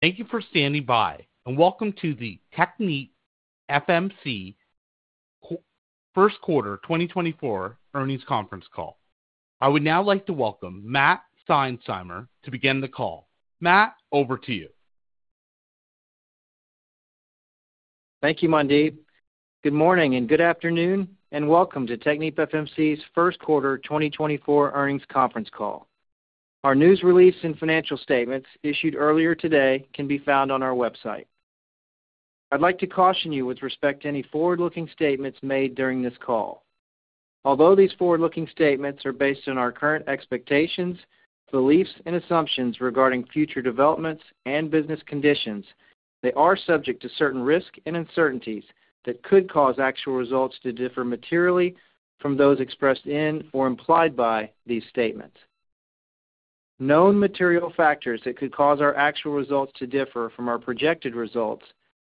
Thank you for standing by, and welcome to the TechnipFMC First Quarter 2024 Earnings Conference Call. I would now like to welcome Matt Seinsheimer to begin the call. Matt, over to you. Thank you, Mandeep. Good morning, and good afternoon, and welcome to TechnipFMC's First Quarter 2024 Earnings Conference Call. Our news release and financial statements issued earlier today can be found on our website. I'd like to caution you with respect to any forward-looking statements made during this call. Although these forward-looking statements are based on our current expectations, beliefs, and assumptions regarding future developments and business conditions, they are subject to certain risks and uncertainties that could cause actual results to differ materially from those expressed in or implied by these statements. Known material factors that could cause our actual results to differ from our projected results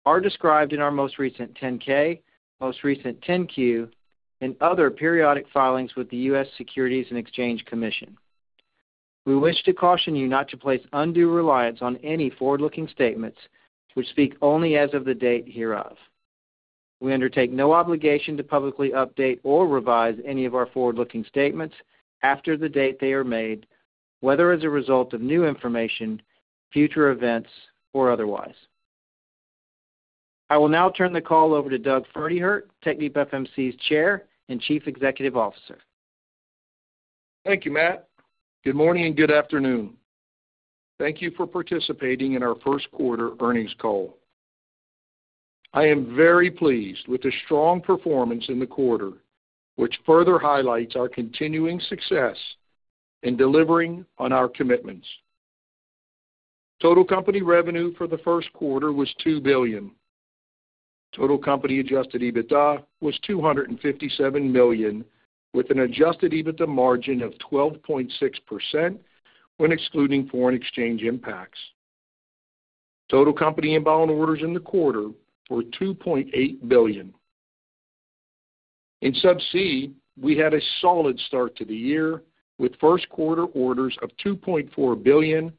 are described in our most recent 10-K, most recent 10-Q, and other periodic filings with the U.S. Securities and Exchange Commission. We wish to caution you not to place undue reliance on any forward-looking statements which speak only as of the date hereof. We undertake no obligation to publicly update or revise any of our forward-looking statements after the date they are made, whether as a result of new information, future events, or otherwise. I will now turn the call over to Doug Pferdehirt, TechnipFMC's Chair and Chief Executive Officer. Thank you, Matt. Good morning, and good afternoon. Thank you for participating in our first quarter earnings call. I am very pleased with the strong performance in the quarter, which further highlights our continuing success in delivering on our commitments. Total company revenue for the first quarter was $2 billion. Total company adjusted EBITDA was $257 million, with an adjusted EBITDA margin of 12.6% when excluding foreign exchange impacts. Total company inbound orders in the quarter were $2.8 billion. In Subsea, we had a solid start to the year, with first quarter orders of $2.4 billion,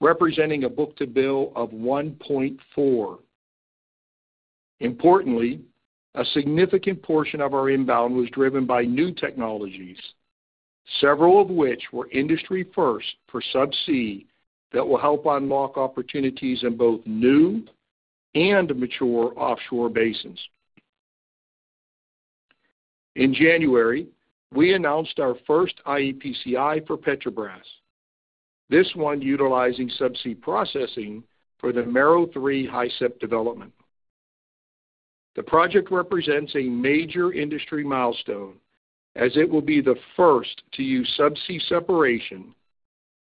representing a book-to-bill of 1.4. Importantly, a significant portion of our inbound was driven by new technologies, several of which were industry first for Subsea that will help unlock opportunities in both new and mature offshore basins. In January, we announced our first iEPCI for Petrobras, this one utilizing subsea processing for the Mero 3 HISEP development. The project represents a major industry milestone, as it will be the first to use subsea separation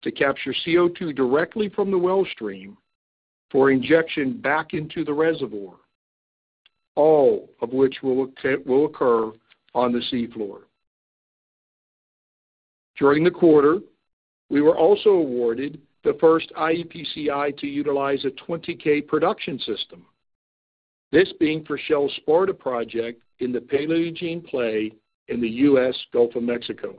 to capture CO2 directly from the well stream for injection back into the reservoir, all of which will occur on the sea floor. During the quarter, we were also awarded the first iEPCI to utilize a 20K production system, this being for Shell's Sparta project in the Paleogene play in the U.S. Gulf of Mexico.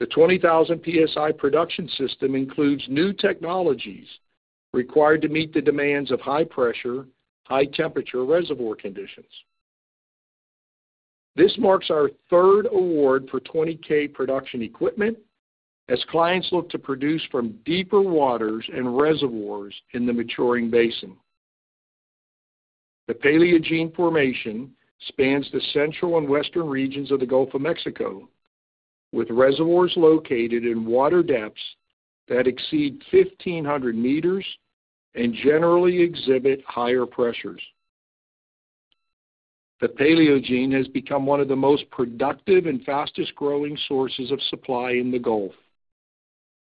The 20,000 PSI production system includes new technologies required to meet the demands of high pressure, high temperature reservoir conditions. This marks our third award for 20K production equipment, as clients look to produce from deeper waters and reservoirs in the maturing basin. The Paleogene formation spans the central and western regions of the Gulf of Mexico, with reservoirs located in water depths that exceed 1,500 meters and generally exhibit higher pressures. The Paleogene has become one of the most productive and fastest-growing sources of supply in the Gulf,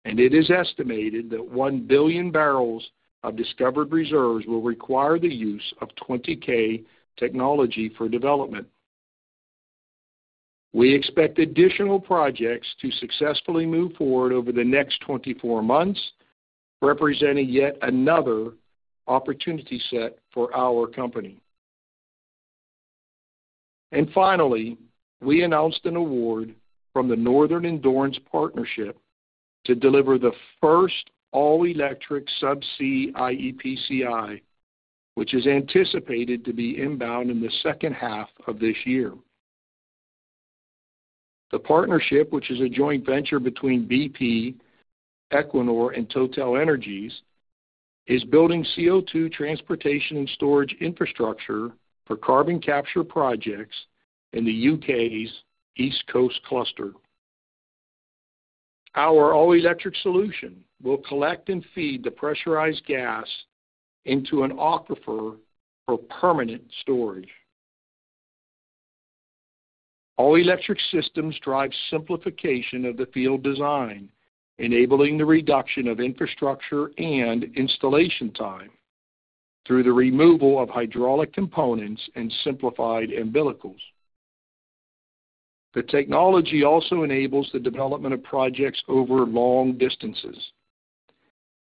and it is estimated that 1 billion barrels of discovered reserves will require the use of 20K technology for development. We expect additional projects to successfully move forward over the next 24 months, representing yet another opportunity set for our company. And finally, we announced an award from the Northern Endurance Partnership to deliver the first all-electric subsea iEPCI, which is anticipated to be inbound in the second half of this year. The partnership, which is a joint venture between BP, Equinor, and TotalEnergies, is building CO2 transportation and storage infrastructure for carbon capture projects in the UK's East Coast Cluster. Our all-electric solution will collect and feed the pressurized gas into an aquifer for permanent storage. All-electric systems drive simplification of the field design, enabling the reduction of infrastructure and installation time through the removal of hydraulic components and simplified umbilicals. The technology also enables the development of projects over long distances.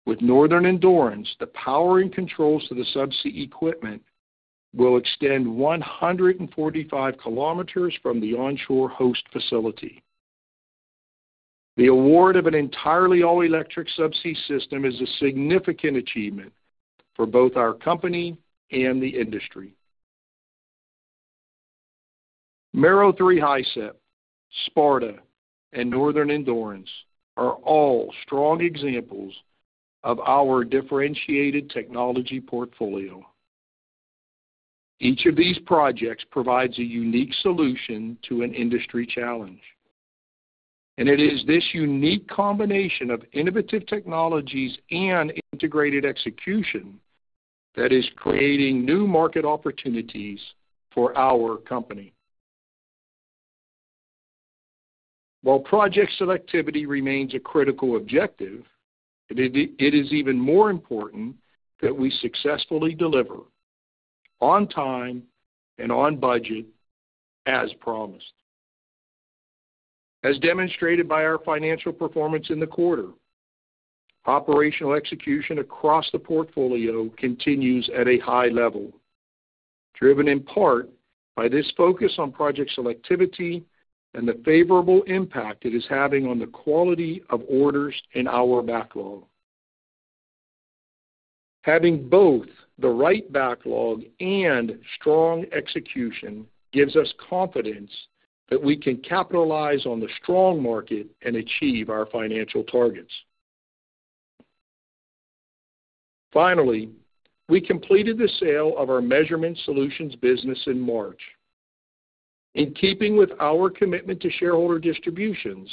With Northern Endurance, the power and controls to the subsea equipment will extend 145 km from the onshore host facility. The award of an entirely all-electric subsea system is a significant achievement for both our company and the industry. Mero 3 HISEP, Sparta, and Northern Endurance are all strong examples of our differentiated technology portfolio. Each of these projects provides a unique solution to an industry challenge, and it is this unique combination of innovative technologies and integrated execution that is creating new market opportunities for our company. While project selectivity remains a critical objective, it is even more important that we successfully deliver on time and on budget as promised. As demonstrated by our financial performance in the quarter, operational execution across the portfolio continues at a high level, driven in part by this focus on project selectivity and the favorable impact it is having on the quality of orders in our backlog. Having both the right backlog and strong execution gives us confidence that we can capitalize on the strong market and achieve our financial targets. Finally, we completed the sale of our Measurement Solutions business in March. In keeping with our commitment to shareholder distributions,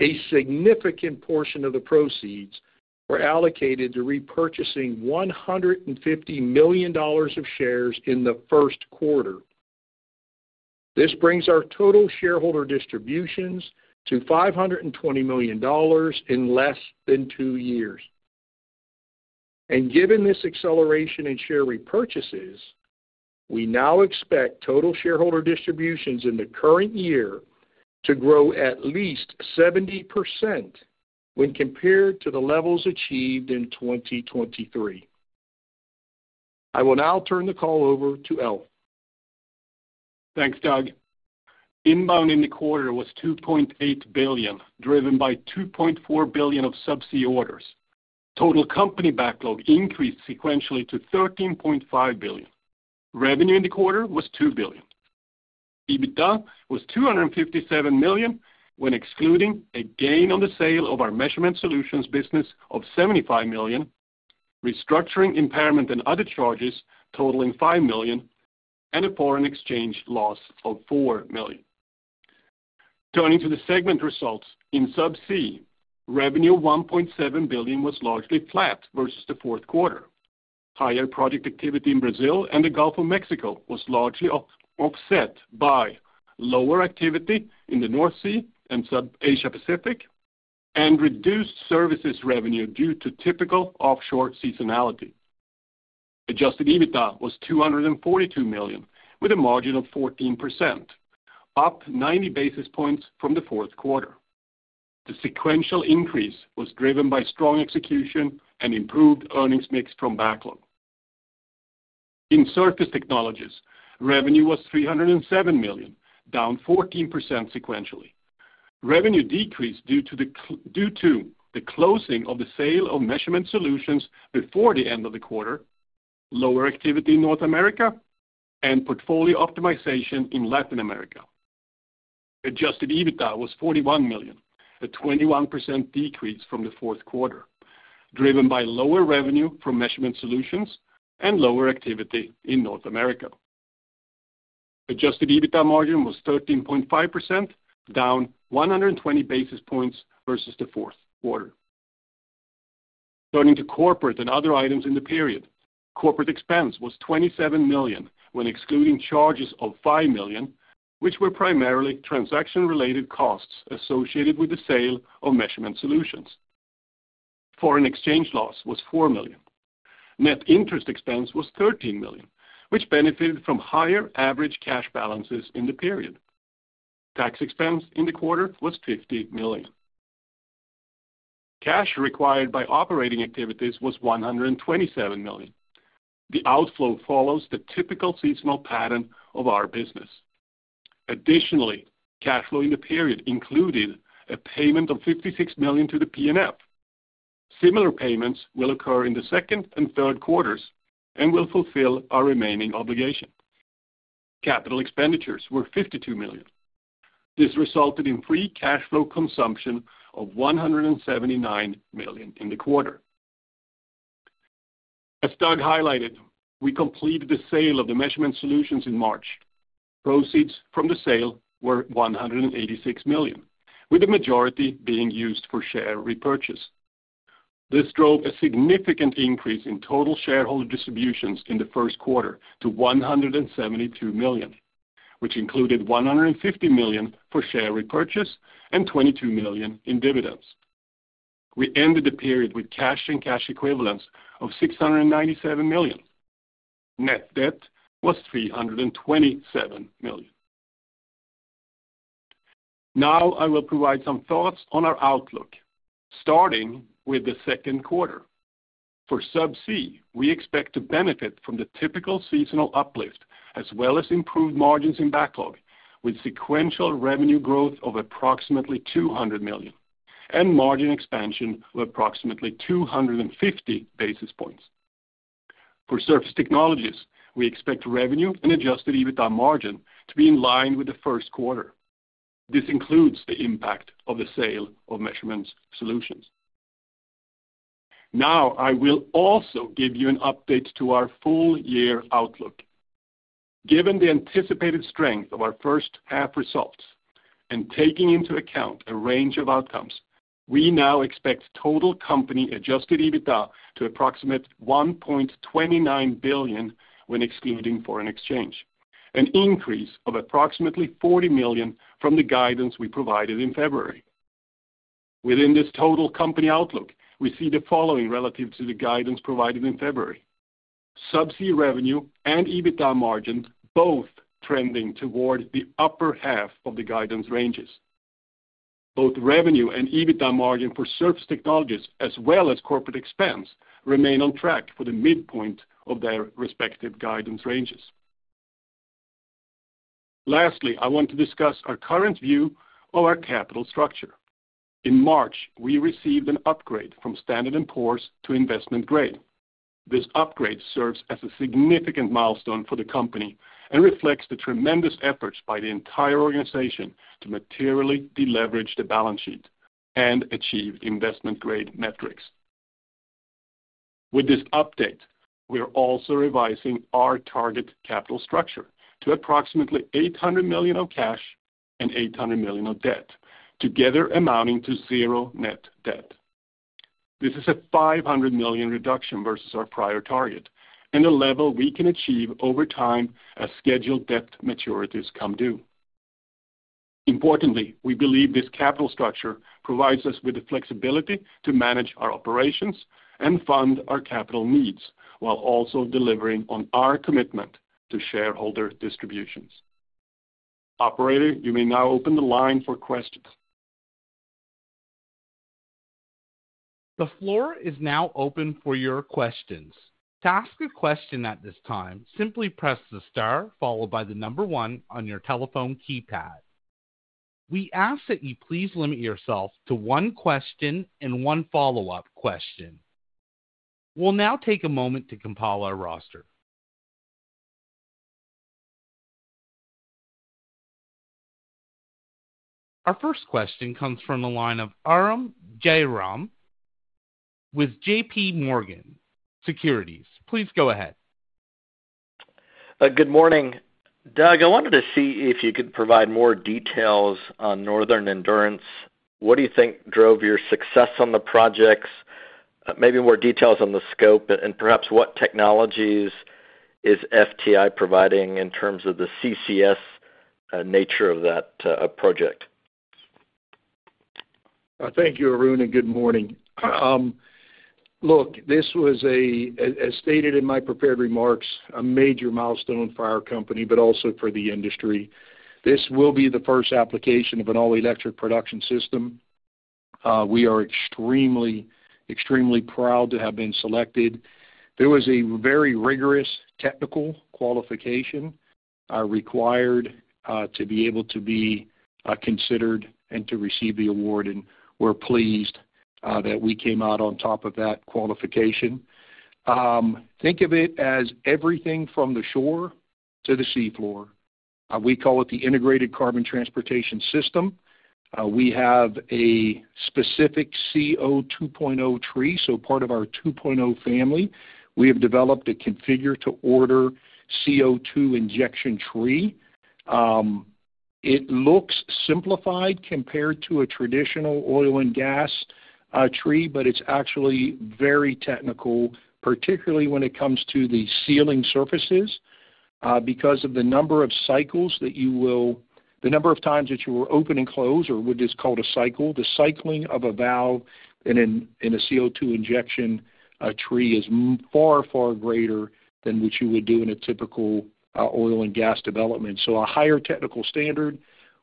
a significant portion of the proceeds were allocated to repurchasing $150 million of shares in the first quarter. This brings our total shareholder distributions to $520 million in less than two years. Given this acceleration in share repurchases, we now expect total shareholder distributions in the current year to grow at least 70% when compared to the levels achieved in 2023. I will now turn the call over to Alf. Thanks, Doug. Inbound in the quarter was $2.8 billion, driven by $2.4 billion of subsea orders. Total company backlog increased sequentially to $13.5 billion. Revenue in the quarter was $2 billion. EBITDA was $257 million, when excluding a gain on the sale of our Measurement Solutions business of $75 million, restructuring impairment and other charges totaling $5 million, and a foreign exchange loss of $4 million. Turning to the segment results, in Subsea, revenue of $1.7 billion was largely flat versus the fourth quarter. Higher project activity in Brazil and the Gulf of Mexico was largely offset by lower activity in the North Sea and Asia Pacific, and reduced services revenue due to typical offshore seasonality. Adjusted EBITDA was $242 million, with a margin of 14%, up 90 basis points from the fourth quarter. The sequential increase was driven by strong execution and improved earnings mix from backlog. In Surface Technologies, revenue was $307 million, down 14% sequentially. Revenue decreased due to the closing of the sale of Measurement Solutions before the end of the quarter, lower activity in North America, and portfolio optimization in Latin America. Adjusted EBITDA was $41 million, a 21% decrease from the fourth quarter, driven by lower revenue from Measurement Solutions and lower activity in North America. Adjusted EBITDA margin was 13.5%, down 120 basis points versus the fourth quarter. Turning to corporate and other items in the period. Corporate expense was $27 million, when excluding charges of $5 million, which were primarily transaction-related costs associated with the sale of Measurement Solutions. Foreign exchange loss was $4 million. Net interest expense was $13 million, which benefited from higher average cash balances in the period. Tax expense in the quarter was $50 million. Cash required by operating activities was $127 million. The outflow follows the typical seasonal pattern of our business. Additionally, cash flow in the period included a payment of $56 million to the PNF. Similar payments will occur in the second and third quarters and will fulfill our remaining obligation. Capital expenditures were $52 million. This resulted in free cash flow consumption of $179 million in the quarter. As Doug highlighted, we completed the sale of the Measurement Solutions in March. Proceeds from the sale were $186 million, with the majority being used for share repurchase. This drove a significant increase in total shareholder distributions in the first quarter to $172 million, which included $150 million for share repurchase and $22 million in dividends. We ended the period with cash and cash equivalents of $697 million. Net debt was $327 million. Now, I will provide some thoughts on our outlook, starting with the second quarter. For Subsea, we expect to benefit from the typical seasonal uplift as well as improved margins in backlog, with sequential revenue growth of approximately $200 million and margin expansion of approximately 250 basis points. For Surface Technologies, we expect revenue and adjusted EBITDA margin to be in line with the first quarter. This includes the impact of the sale of Measurement Solutions. Now, I will also give you an update to our full year outlook. Given the anticipated strength of our first half results and taking into account a range of outcomes, we now expect total company adjusted EBITDA to approximate $1.29 billion when excluding foreign exchange, an increase of approximately $40 million from the guidance we provided in February. Within this total company outlook, we see the following relative to the guidance provided in February: Subsea revenue and EBITDA margins, both trending toward the upper half of the guidance ranges. Both revenue and EBITDA margin for Surface Technologies, as well as corporate expense, remain on track for the midpoint of their respective guidance ranges. Lastly, I want to discuss our current view of our capital structure. In March, we received an upgrade from Standard & Poor's to investment grade. This upgrade serves as a significant milestone for the company and reflects the tremendous efforts by the entire organization to materially deleverage the balance sheet and achieve investment-grade metrics. With this update, we are also revising our target capital structure to approximately $800 million of cash and $800 million of debt, together amounting to zero net debt. This is a $500 million reduction versus our prior target and a level we can achieve over time as scheduled debt maturities come due. Importantly, we believe this capital structure provides us with the flexibility to manage our operations and fund our capital needs, while also delivering on our commitment to shareholder distributions. Operator, you may now open the line for questions. The floor is now open for your questions. To ask a question at this time, simply press the star followed by the number one on your telephone keypad. We ask that you please limit yourself to one question and one follow-up question. We'll now take a moment to compile our roster. Our first question comes from the line of Arun Jayaram with J.P. Morgan Securities. Please go ahead. Good morning. Doug, I wanted to see if you could provide more details on Northern Endurance. What do you think drove your success on the projects? Maybe more details on the scope and perhaps what technologies is TechnipFMC providing in terms of the CCS nature of that project. Thank you, Arun, and good morning. Look, this was, as stated in my prepared remarks, a major milestone for our company, but also for the industry. This will be the first application of an all-electric production system. We are extremely, extremely proud to have been selected. There was a very rigorous technical qualification required to be able to be considered and to receive the award, and we're pleased that we came out on top of that qualification. Think of it as everything from the shore to the seafloor. We call it the Integrated Carbon Transportation System. We have a specific CO2 2.0 tree, so part of our 2.0 family, we have developed a configure-to-order CO2 injection tree. It looks simplified compared to a traditional oil and gas tree, but it's actually very technical, particularly when it comes to the sealing surfaces, because of the number of cycles that you will open and close, or what is called a cycle. The cycling of a valve in a CO2 injection tree is far, far greater than what you would do in a typical oil and gas development. So a higher technical standard.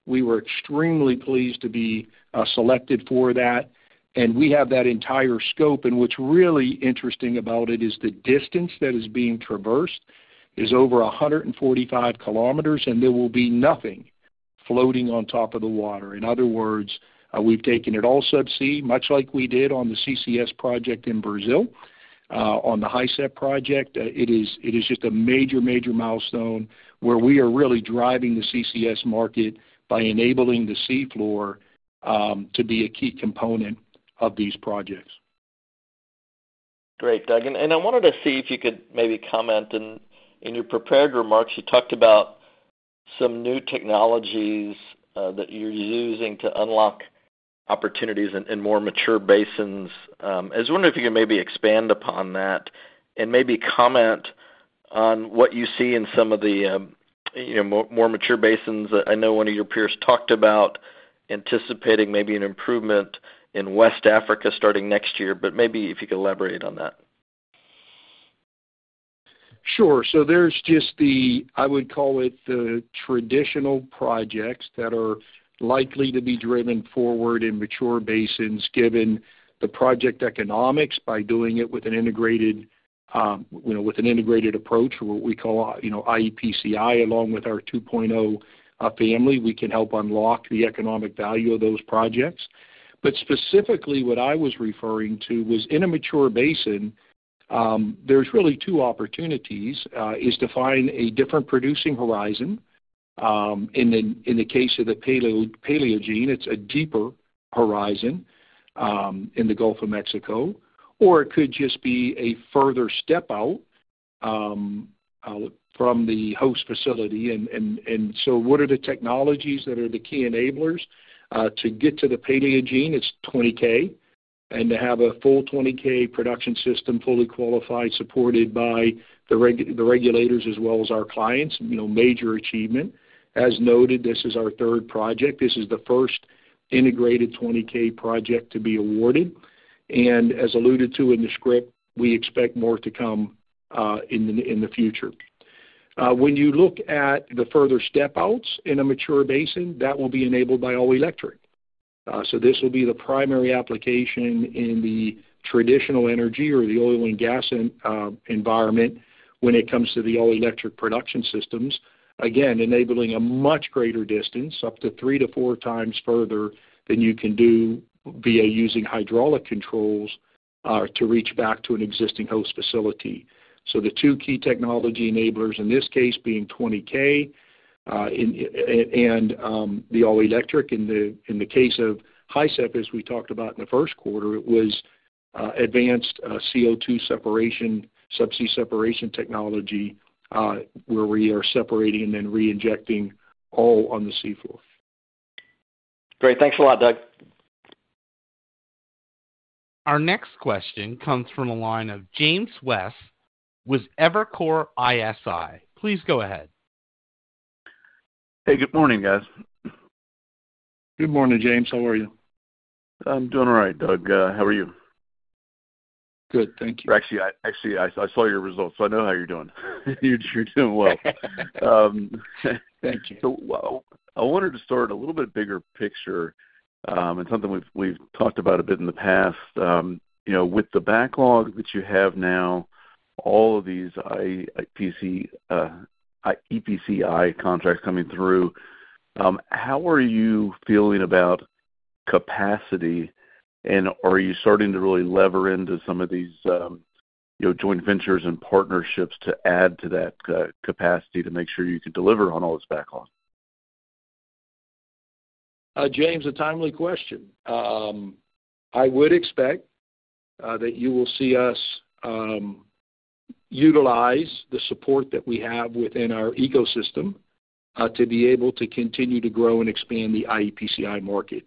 We were extremely pleased to be selected for that, and we have that entire scope. And what's really interesting about it is the distance that is being traversed is over 145 kilometers, and there will be nothing floating on top of the water. In other words, we've taken it all subsea, much like we did on the CCS project in Brazil, on the HISEP project. It is, it is just a major, major milestone, where we are really driving the CCS market by enabling the seafloor to be a key component of these projects. Great, Doug. And I wanted to see if you could maybe comment, and in your prepared remarks, you talked about some new technologies that you're using to unlock opportunities in more mature basins. I was wondering if you could maybe expand upon that and maybe comment on what you see in some of the, you know, more mature basins. I know one of your peers talked about anticipating maybe an improvement in West Africa starting next year, but maybe if you could elaborate on that. Sure. So there's just the, I would call it, the traditional projects that are likely to be driven forward in mature basins, given the project economics, by doing it with an integrated, you know, with an integrated approach, or what we call, you know, iEPCI, along with our 2.0 family, we can help unlock the economic value of those projects. But specifically, what I was referring to was in a mature basin, there's really two opportunities, is to find a different producing horizon. In the, in the case of the Paleogene, it's a deeper horizon, in the Gulf of Mexico. Or it could just be a further step out, from the host facility. And, and, and so what are the technologies that are the key enablers? To get to the Paleogene, it's 20K, and to have a full 20K production system, fully qualified, supported by the regulators, as well as our clients, you know, major achievement. As noted, this is our third project. This is the first integrated 20K project to be awarded, and as alluded to in the script, we expect more to come, in the future. When you look at the further step-outs in a mature basin, that will be enabled by all-electric. So this will be the primary application in the traditional energy or the oil and gas environment when it comes to the all-electric production systems. Again, enabling a much greater distance, up to three to four times further than you can do via using hydraulic controls, to reach back to an existing host facility. So the two key technology enablers, in this case, being 20K and the all-electric. In the case of HISEP, as we talked about in the first quarter, it was advanced CO2 separation, subsea separation technology, where we are separating and then reinjecting all on the seafloor. Great. Thanks a lot, Doug. Our next question comes from a line of James West with Evercore ISI. Please go ahead. Hey, good morning, guys. Good morning, James. How are you? I'm doing all right, Doug. How are you? Good, thank you. Actually, I saw your results, so I know how you're doing. You're doing well. Thank you. So I wanted to start a little bit bigger picture, and something we've talked about a bit in the past. You know, with the backlog that you have now, all of these iEPCI contracts coming through, how are you feeling about capacity, and are you starting to really leverage into some of these, you know, joint ventures and partnerships to add to that capacity to make sure you can deliver on all this backlog? James, a timely question. I would expect that you will see us utilize the support that we have within our ecosystem to be able to continue to grow and expand the EPCI market.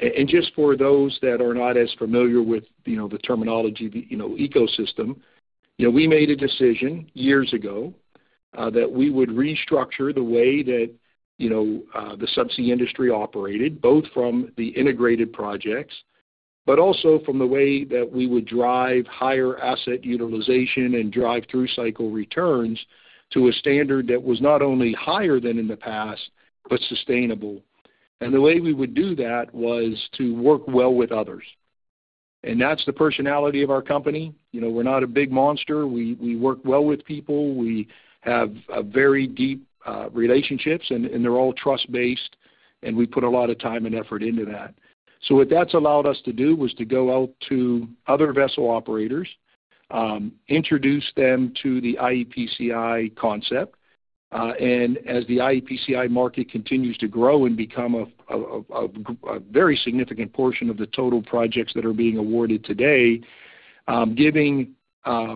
And just for those that are not as familiar with, you know, the terminology, you know, ecosystem, you know, we made a decision years ago that we would restructure the way that, you know, the subsea industry operated, both from the integrated projects, but also from the way that we would drive higher asset utilization and drive-through cycle returns to a standard that was not only higher than in the past, but sustainable. And the way we would do that was to work well with others. And that's the personality of our company. You know, we're not a big monster. We work well with people. We have a very deep relationships, and they're all trust-based, and we put a lot of time and effort into that. So what that's allowed us to do was to go out to other vessel operators, introduce them to the EPCI concept, and as the EPCI market continues to grow and become a very significant portion of the total projects that are being awarded today,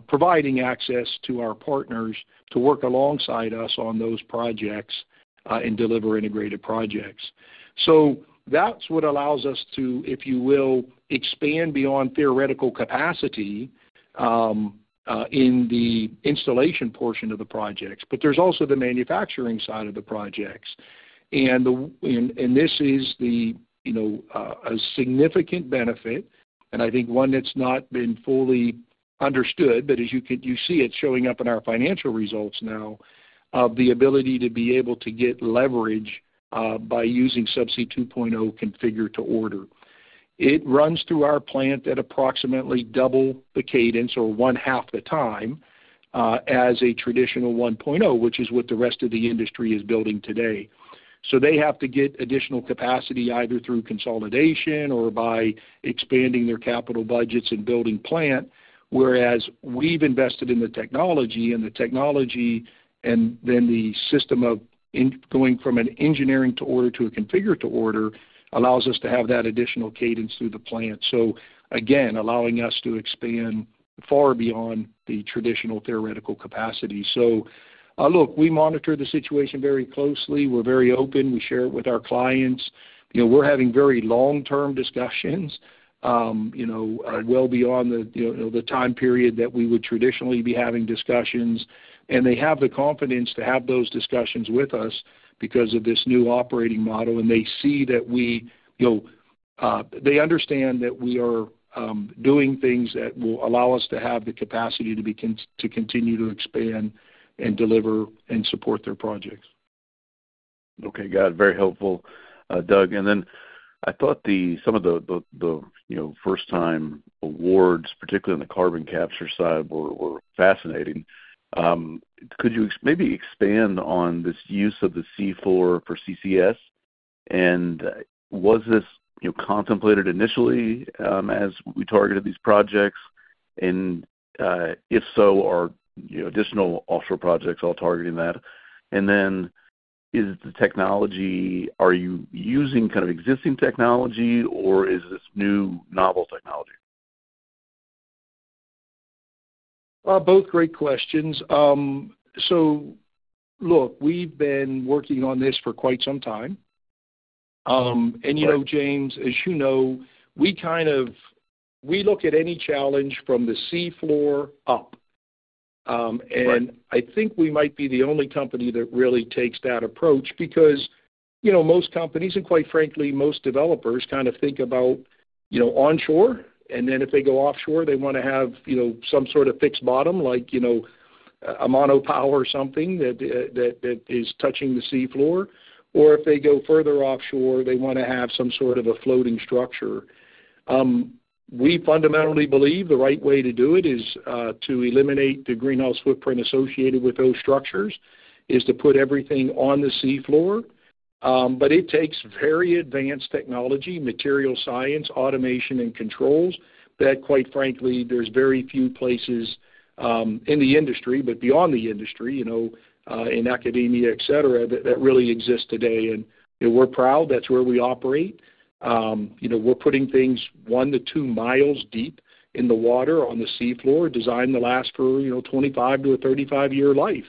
providing access to our partners to work alongside us on those projects, and deliver integrated projects. So that's what allows us to, if you will, expand beyond theoretical capacity, in the installation portion of the projects. But there's also the manufacturing side of the projects. And this is the, you know, a significant benefit, and I think one that's not been fully understood, but as you see it showing up in our financial results now, of the ability to be able to get leverage by using Subsea 2.0 configure to order. It runs through our plant at approximately double the cadence or half the time as a traditional 1.0, which is what the rest of the industry is building today. So they have to get additional capacity, either through consolidation or by expanding their capital budgets and building plant, whereas we've invested in the technology, and the technology, and then the system of going from an engineering to order to a configure to order, allows us to have that additional cadence through the plant. So again, allowing us to expand far beyond the traditional theoretical capacity. So, look, we monitor the situation very closely. We're very open. We share it with our clients. You know, we're having very long-term discussions, you know, well beyond the time period that we would traditionally be having discussions. And they have the confidence to have those discussions with us because of this new operating model, and they see that we, you know, they understand that we are doing things that will allow us to have the capacity to continue to expand and deliver and support their projects. Okay, got it. Very helpful, Doug. And then I thought some of the, you know, first-time awards, particularly on the carbon capture side, were fascinating. Could you maybe expand on this use of the seafloor for CCS? And was this, you know, contemplated initially as we targeted these projects? And if so, are, you know, additional offshore projects all targeting that? And then is the technology? Are you using kind of existing technology, or is this new novel technology? Both great questions. So look, we've been working on this for quite some time. And you know, James, as you know, we kind of, we look at any challenge from the seafloor up. Right. I think we might be the only company that really takes that approach because, you know, most companies, and quite frankly, most developers kind of think about, you know, onshore. And then if they go offshore, they want to have, you know, some sort of fixed bottom, like, you know, a monopile or something that that is touching the seafloor. Or if they go further offshore, they want to have some sort of a floating structure. We fundamentally believe the right way to do it is to eliminate the greenhouse footprint associated with those structures, is to put everything on the seafloor. But it takes very advanced technology, material science, automation, and controls that, quite frankly, there's very few places in the industry, but beyond the industry, you know, in academia, et cetera, that that really exists today. You know, we're proud that's where we operate. You know, we're putting things one to two miles deep in the water on the seafloor, designed to last for, you know, 25 to 35-year life,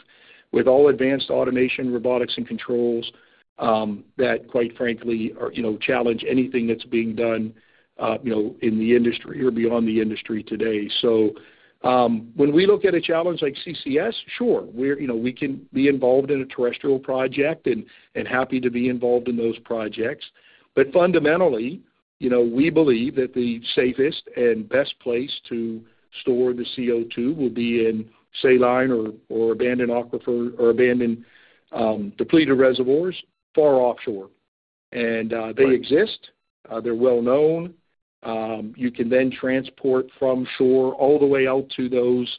with all advanced automation, robotics, and controls, that, quite frankly, are, you know, challenge anything that's being done, you know, in the industry or beyond the industry today. So, when we look at a challenge like CCS, sure, we're, you know, we can be involved in a terrestrial project and happy to be involved in those projects. But fundamentally, you know, we believe that the safest and best place to store the CO2 will be in saline or abandoned aquifer or abandoned depleted reservoirs, far offshore. Right. They exist. They're well known. You can then transport from shore all the way out to those,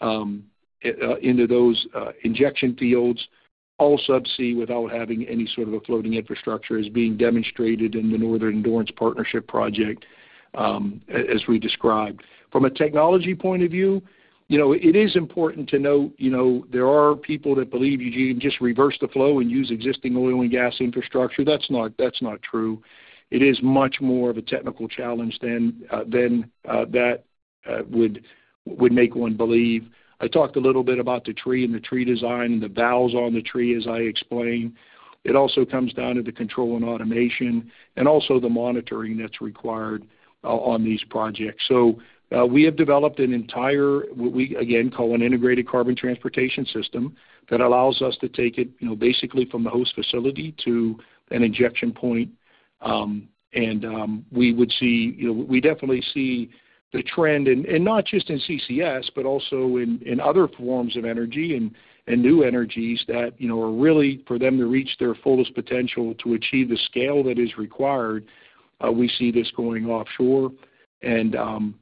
into those, injection fields, all subsea, without having any sort of a floating infrastructure, as being demonstrated in the Northern Endurance Partnership Project, as we described. From a technology point of view, you know, it is important to note, you know, there are people that believe you can just reverse the flow and use existing oil and gas infrastructure. That's not, that's not true. It is much more of a technical challenge than that would make one believe. I talked a little bit about the tree and the tree design and the valves on the tree, as I explained. It also comes down to the control and automation and also the monitoring that's required on these projects. So, we have developed an entire, what we, again, call an Integrated Carbon Transportation System that allows us to take it, you know, basically from the host facility to an injection point. We would see, you know, we definitely see the trend, and not just in CCS, but also in other forms of energy and new energies that, you know, are really for them to reach their fullest potential to achieve the scale that is required, we see this going offshore, and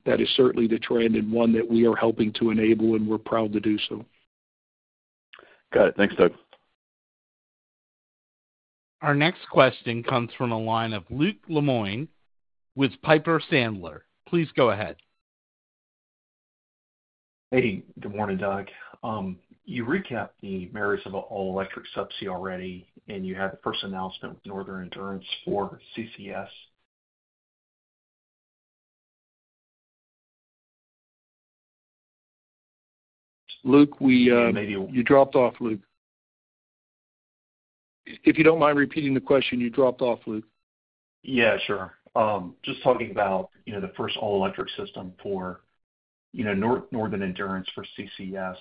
that is certainly the trend and one that we are helping to enable, and we're proud to do so. Got it. Thanks, Doug. Our next question comes from the line of Luke Lemoine with Piper Sandler. Please go ahead. Hey, good morning, Doug. You recapped the merits of an all-electric subsea already, and you had the first announcement with Northern Endurance for CCS. Luke, we. And maybe. You dropped off, Luke. If you don't mind repeating the question, you dropped off, Luke. Yeah, sure. Just talking about, you know, the first all-electric system for, you know, Northern Endurance for CCS.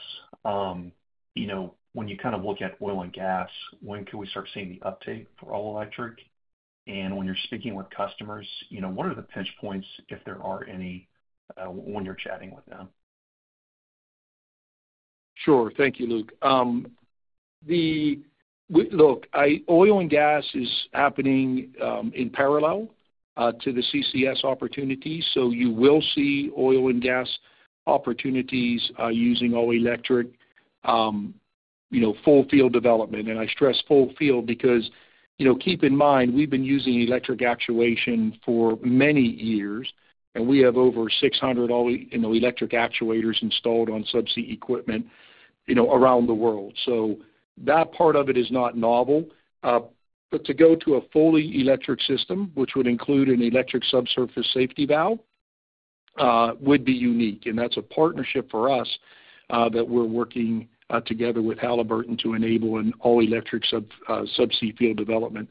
You know, when you kind of look at oil and gas, when can we start seeing the uptake for all-electric? And when you're speaking with customers, you know, what are the pinch points, if there are any, when you're chatting with them? Sure. Thank you, Luke. Look, oil and gas is happening in parallel to the CCS opportunity, so you will see oil and gas opportunities using all-electric, you know, full field development. And I stress full field because, you know, keep in mind, we've been using electric actuation for many years, and we have over 600 all, you know, electric actuators installed on subsea equipment, you know, around the world. So that part of it is not novel. But to go to a fully electric system, which would include an electric subsurface safety valve, would be unique. And that's a partnership for us that we're working together with Halliburton to enable an all-electric subsea field development.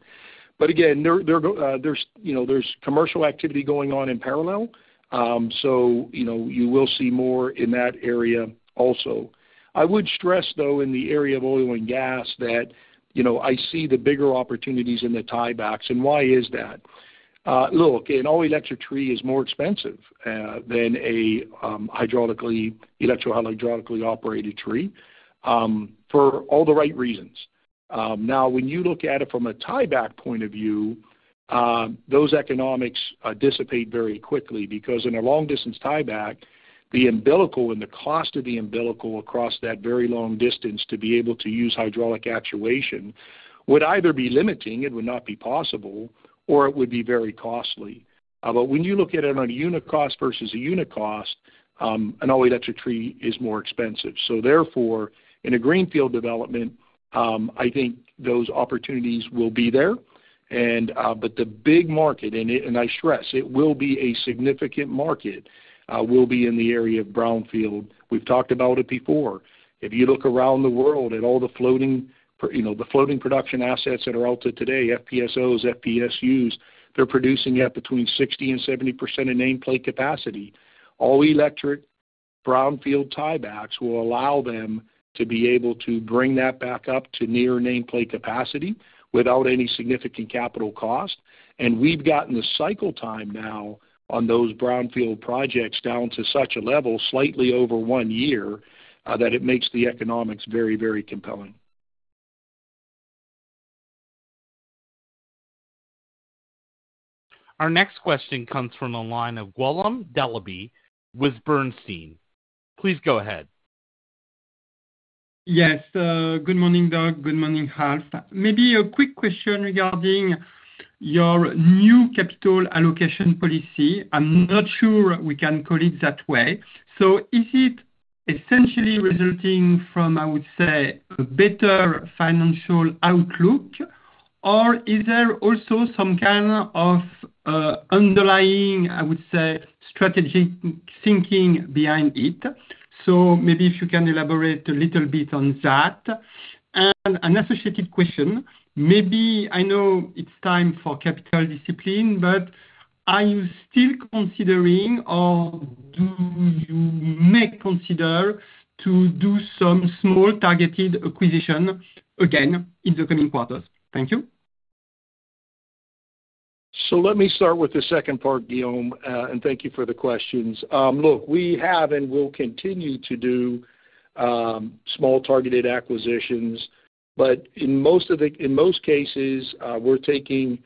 But again, there's, you know, there's commercial activity going on in parallel. So, you know, you will see more in that area also. I would stress, though, in the area of oil and gas, that, you know, I see the bigger opportunities in the tiebacks. Why is that? Look, an all-electric tree is more expensive than a hydraulically, electro-hydraulically operated tree for all the right reasons. Now, when you look at it from a tieback point of view, those economics dissipate very quickly because in a long-distance tieback, the umbilical and the cost of the umbilical across that very long distance to be able to use hydraulic actuation would either be limiting, it would not be possible, or it would be very costly. But when you look at it on a unit cost versus a unit cost, an all-electric tree is more expensive. So therefore, in a greenfield development, I think those opportunities will be there. And, but the big market, and, and I stress, it will be a significant market, will be in the area of brownfield. We've talked about it before. If you look around the world at all the floating production assets that are out there today, FPSOs, FPUs, they're producing at between 60%-70% of nameplate capacity. All-electric brownfield tiebacks will allow them to be able to bring that back up to near nameplate capacity without any significant capital cost. And we've gotten the cycle time now on those brownfield projects down to such a level, slightly over one year, that it makes the economics very, very compelling. Our next question comes from the line of Guillaume Delaby with Bernstein. Please go ahead. Yes. Good morning, Doug. Good morning, Alf. Maybe a quick question regarding your new capital allocation policy. I'm not sure we can call it that way. So is it essentially resulting from, I would say, a better financial outlook? Or is there also some kind of, underlying, I would say, strategic thinking behind it? So maybe if you can elaborate a little bit on that. And an associated question, maybe I know it's time for capital discipline, but are you still considering or do you may consider to do some small targeted acquisition again in the coming quarters? Thank you. So let me start with the second part, Guillaume, and thank you for the questions. Look, we have and will continue to do small targeted acquisitions, but in most cases, we're taking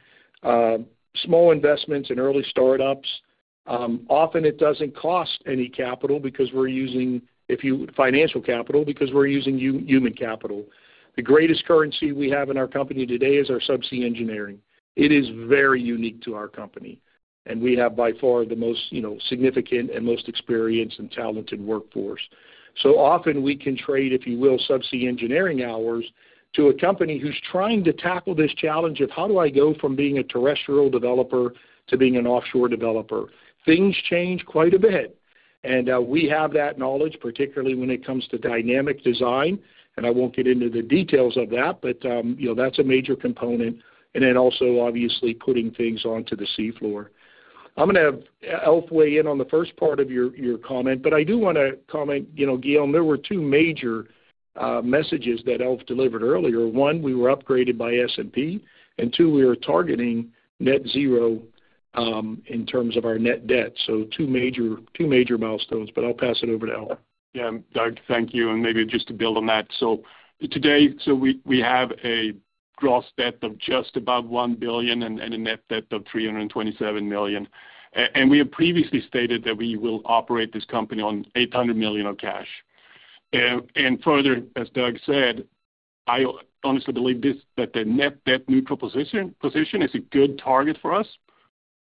small investments in early startups. Often it doesn't cost any capital because we're using human capital. The greatest currency we have in our company today is our subsea engineering. It is very unique to our company, and we have, by far, the most, you know, significant and most experienced and talented workforce. So often we can trade, if you will, subsea engineering hours to a company who's trying to tackle this challenge of: How do I go from being a terrestrial developer to being an offshore developer? Things change quite a bit. And, we have that knowledge, particularly when it comes to dynamic design, and I won't get into the details of that, but, you know, that's a major component, and then also, obviously, putting things onto the seafloor. I'm gonna have Alf weigh in on the first part of your comment, but I do wanna comment, you know, Guillaume, there were two major, messages that Alf delivered earlier. One, we were upgraded by S&P, and two, we are targeting net zero, in terms of our net debt. So two major, two major milestones, but I'll pass it over to Alf. Yeah, Doug, thank you, and maybe just to build on that. So today, we have a gross debt of just above $1 billion and a net debt of $327 million. And we have previously stated that we will operate this company on $800 million of cash. And further, as Doug said, I honestly believe that the net debt neutral position is a good target for us,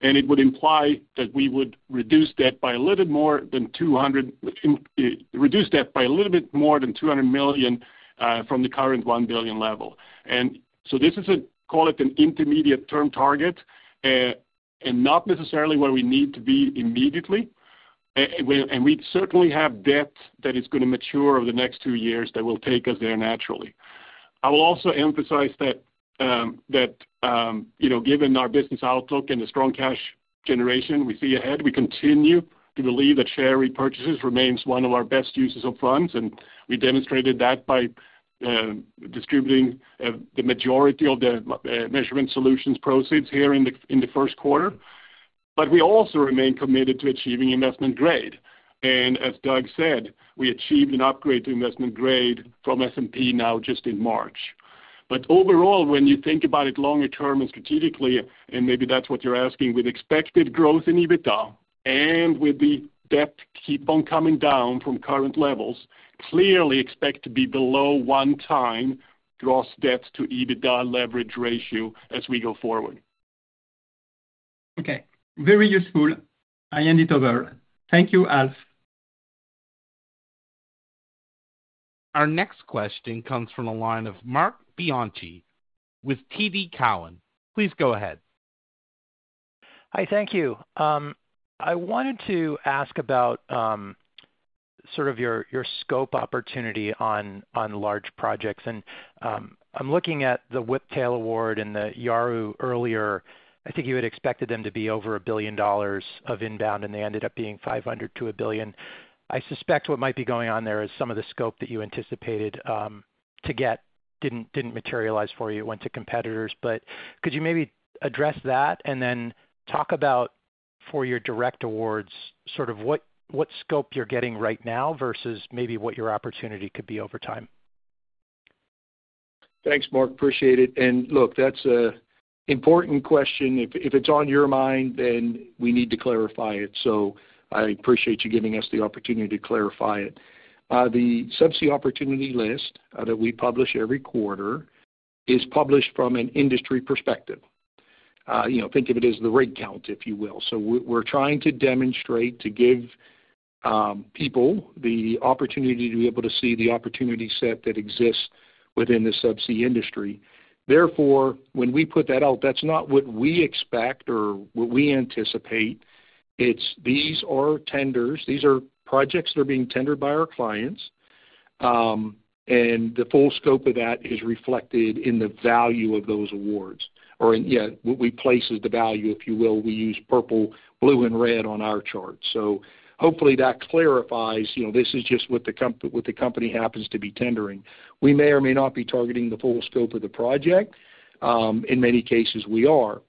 and it would imply that we would reduce debt by a little more than $200 million from the current $1 billion level. And so this is, call it, an intermediate-term target and not necessarily where we need to be immediately. We certainly have debt that is gonna mature over the next two years that will take us there naturally. I will also emphasize that, you know, given our business outlook and the strong cash generation we see ahead, we continue to believe that share repurchases remains one of our best uses of funds, and we demonstrated that by distributing the majority of the Measurement Solutions proceeds here in the first quarter. But we also remain committed to achieving investment grade. As Doug said, we achieved an upgrade to investment grade from S&P now just in March. Overall, when you think about it longer term and strategically, and maybe that's what you're asking, with expected growth in EBITDA and with the debt keep on coming down from current levels, clearly expect to be below 1x gross debt to EBITDA leverage ratio as we go forward. Okay, very useful. I hand it over. Thank you, Alf. Our next question comes from the line of Marc Bianchi with TD Cowen. Please go ahead. Hi, thank you. I wanted to ask about sort of your scope opportunity on large projects. I'm looking at the Whiptail award and the Uaru earlier. I think you had expected them to be over $1 billion of inbound, and they ended up being $500 million-$1 billion. I suspect what might be going on there is some of the scope that you anticipated to get didn't materialize for you, it went to competitors. But could you maybe address that? And then talk about for your direct awards, sort of what scope you're getting right now versus maybe what your opportunity could be over time. Thanks, Mark. Appreciate it. And look, that's an important question. If it's on your mind, then we need to clarify it. So I appreciate you giving us the opportunity to clarify it. The Subsea Opportunity List that we publish every quarter is published from an industry perspective. You know, think of it as the rig count, if you will. So we're trying to demonstrate, to give people the opportunity to be able to see the opportunity set that exists within the subsea industry. Therefore, when we put that out, that's not what we expect or what we anticipate. It's these are tenders. These are projects that are being tendered by our clients, and the full scope of that is reflected in the value of those awards, or in what we place as the value, if you will. We use purple, blue, and red on our charts. So hopefully, that clarifies, you know, this is just what the company happens to be tendering. We may or may not be targeting the full scope of the project. In many cases, we are.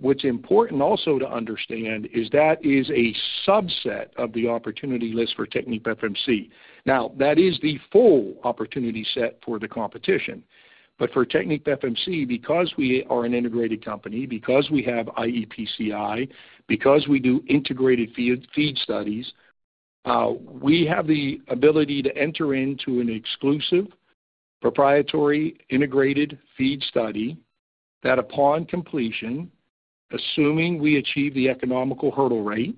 What's important also to understand is that is a subset of the opportunity list for TechnipFMC. Now, that is the full opportunity set for the competition. But for TechnipFMC, because we are an integrated company, because we have iEPCI, because we do integrated iFEED, iFEED studies, we have the ability to enter into an exclusive, proprietary, integrated iFEED study that, upon completion, assuming we achieve the economical hurdle rate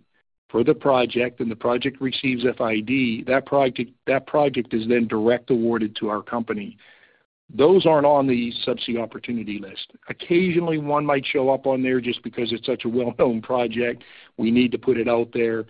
for the project and the project receives FID, that project, that project is then direct awarded to our company. Those aren't on the Subsea Opportunity List. Occasionally, one might show up on there just because it's such a well-known project. We need to put it out there.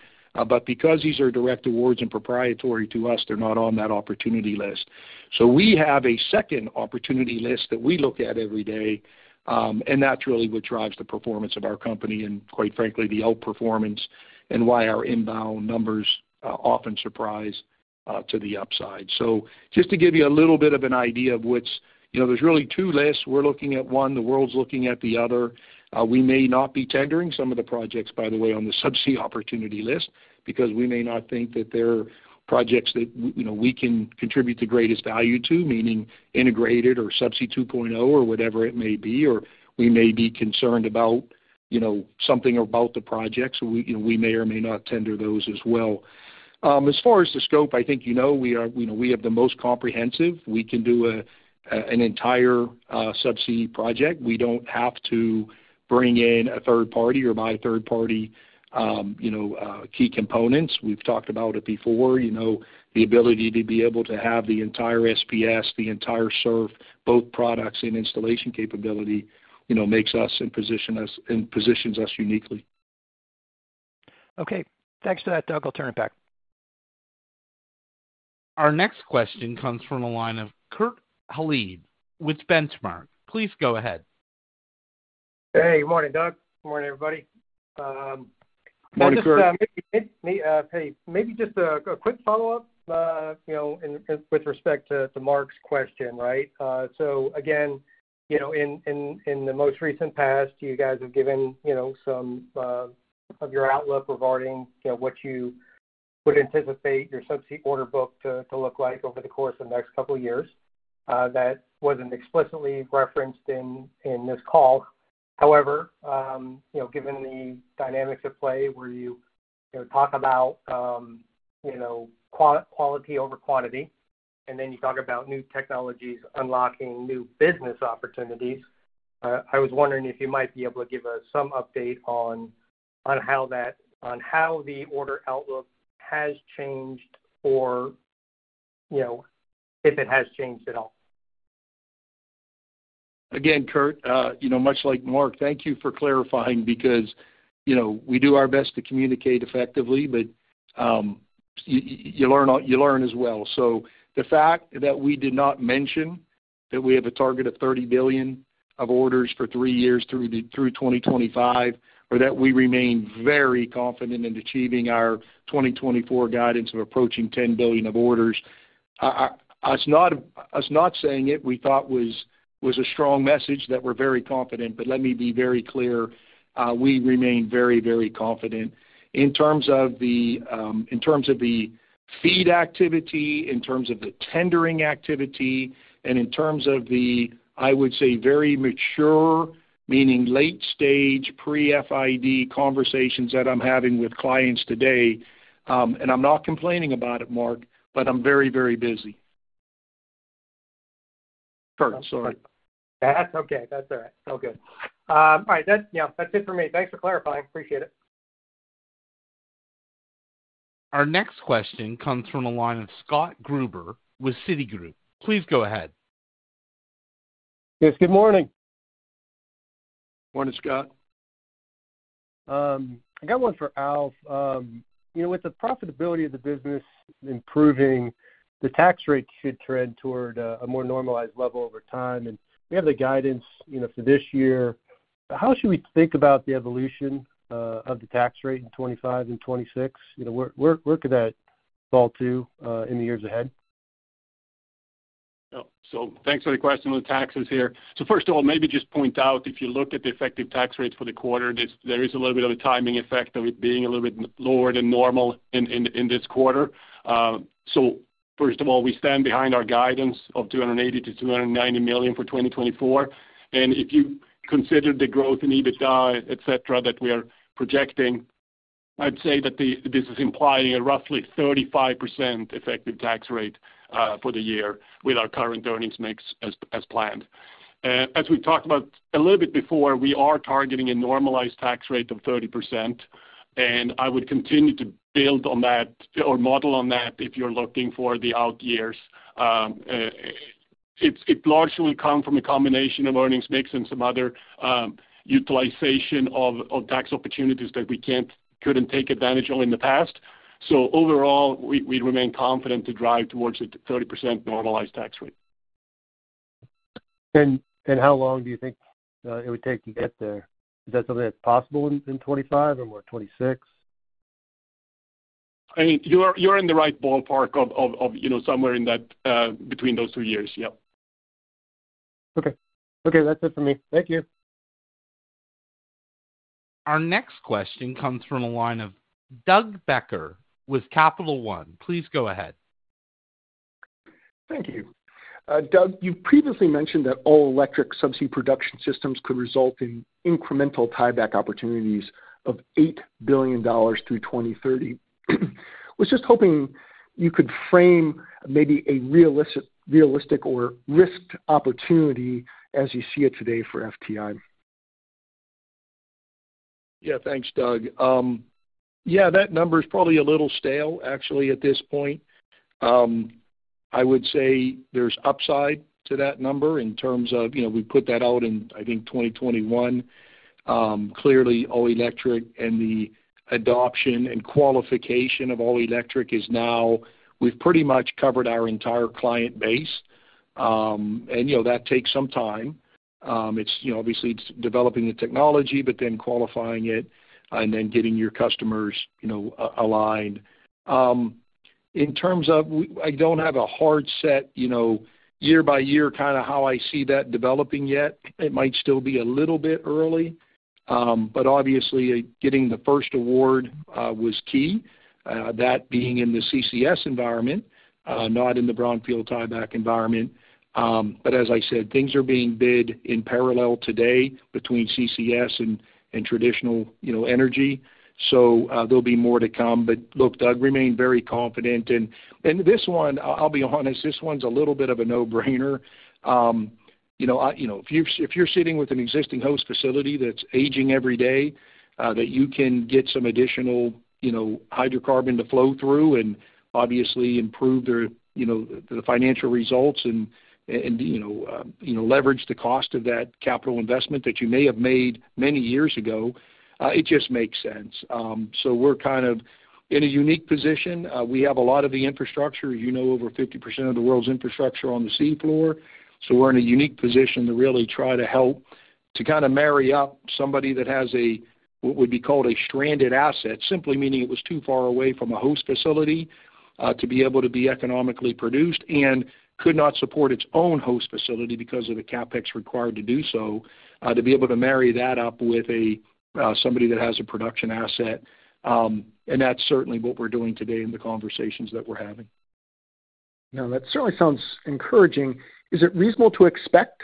But because these are direct awards and proprietary to us, they're not on that opportunity list. So we have a second opportunity list that we look at every day, and that's really what drives the performance of our company and, quite frankly, the outperformance and why our inbound numbers often surprise to the upside. So just to give you a little bit of an idea of which, you know, there's really two lists. We're looking at one, the world's looking at the other. We may not be tendering some of the projects, by the way, on the Subsea Opportunity List, because we may not think that they're projects that, you know, we can contribute the greatest value to, meaning integrated or Subsea 2.0 or whatever it may be, or we may be concerned about, you know, something about the projects. We, we may or may not tender those as well. As far as the scope, I think you know, we are, you know, we have the most comprehensive. We can do a, an entire, subsea project. We don't have to bring in a third party or buy a third party, you know, key components. We've talked about it before, you know, the ability to be able to have the entire SPS, the entire SURF, both products and installation capability, you know, makes us and position us—and positions us uniquely. Okay. Thanks for that, Doug. I'll turn it back. Our next question comes from the line of Kurt Hallead with Benchmark. Please go ahead. Hey, good morning, Doug. Good morning, everybody. Morning, Kurt. Maybe, hey, maybe just a quick follow-up, you know, in, with respect to, to Mark's question, right? So again, you know, in the most recent past, you guys have given, you know, some of your outlook regarding, you know, what you would anticipate your subsea order book to look like over the course of the next couple of years. That wasn't explicitly referenced in this call. However, you know, given the dynamics at play, where you, you know, talk about quality over quantity, and then you talk about new technologies unlocking new business opportunities, I was wondering if you might be able to give us some update on how that—on how the order outlook has changed or, you know, if it has changed at all. Again, Kurt, you know, much like Mark, thank you for clarifying, because, you know, we do our best to communicate effectively, but you learn, you learn as well. So the fact that we did not mention that we have a target of $30 billion of orders for three years through 2025, or that we remain very confident in achieving our 2024 guidance of approaching $10 billion of orders, us not saying it, we thought was a strong message that we're very confident. But let me be very clear, we remain very, very confident. In terms of the, in terms of the FEED activity, in terms of the tendering activity, and in terms of the, I would say, very mature, meaning late stage, pre-FID conversations that I'm having with clients today, and I'm not complaining about it, Mark, but I'm very, very busy. Kurt, sorry. That's okay. That's all right. All good. All right, that's, yeah, that's it for me. Thanks for clarifying. Appreciate it. Our next question comes from the line of Scott Gruber with Citigroup. Please go ahead. Yes, good morning. Morning, Scott. I got one for Alf. You know, with the profitability of the business improving, the tax rate should trend toward a more normalized level over time, and we have the guidance, you know, for this year. How should we think about the evolution of the tax rate in 2025 and 2026? You know, where, where, where could that fall to in the years ahead? Oh, so thanks for the question on the taxes here. So first of all, maybe just point out, if you look at the effective tax rate for the quarter, this, there is a little bit of a timing effect of it being a little bit lower than normal in this quarter. So first of all, we stand behind our guidance of $280 million-$290 million for 2024. And if you consider the growth in EBITDA, et cetera, that we are projecting, I'd say that the, this is implying a roughly 35% effective tax rate for the year with our current earnings mix as planned. As we talked about a little bit before, we are targeting a normalized tax rate of 30%, and I would continue to build on that or model on that if you're looking for the out years. It largely will come from a combination of earnings mix and some other utilization of tax opportunities that we couldn't take advantage of in the past. So overall, we remain confident to drive towards a 30% normalized tax rate. How long do you think it would take to get there? Is that something that's possible in 2025 or more 2026? I mean, you're in the right ballpark of, you know, somewhere in that between those two years. Yeah. Okay. Okay, that's it for me. Thank you. Our next question comes from the line of Doug Becker with Capital One. Please go ahead. Thank you. Doug, you previously mentioned that all-electric subsea production systems could result in incremental tieback opportunities of $8 billion through 2030. Was just hoping you could frame maybe a realistic, realistic or risked opportunity as you see it today for FTI? Yeah, thanks, Doug. Yeah, that number is probably a little stale, actually, at this point. I would say there's upside to that number in terms of, you know, we put that out in, I think, 2021. Clearly, all-electric and the adoption and qualification of all-electric is now. We've pretty much covered our entire client base, and, you know, that takes some time. It's, you know, obviously, it's developing the technology, but then qualifying it and then getting your customers, you know, aligned. In terms of, I don't have a hard set, you know, year by year, kind of how I see that developing yet. It might still be a little bit early, but obviously, getting the first award was key, that being in the CCS environment, not in the brownfield tieback environment. But as I said, things are being bid in parallel today between CCS and traditional, you know, energy. So, there'll be more to come. But look, Doug, I remain very confident, and this one, I'll be honest, this one's a little bit of a no-brainer. You know, I, you know, if you're, if you're sitting with an existing host facility that's aging every day, that you can get some additional, you know, hydrocarbon to flow through and obviously improve their, you know, the financial results and, you know, leverage the cost of that capital investment that you may have made many years ago, it just makes sense. So we're kind of in a unique position. We have a lot of the infrastructure, you know, over 50% of the world's infrastructure on the sea floor. So we're in a unique position to really try to help to kind of marry up somebody that has a, what would be called a stranded asset, simply meaning it was too far away from a host facility, to be able to be economically produced and could not support its own host facility because of the CapEx required to do so, to be able to marry that up with a, somebody that has a production asset. And that's certainly what we're doing today in the conversations that we're having. No, that certainly sounds encouraging. Is it reasonable to expect